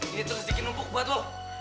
ini rezeki numpuk buat lo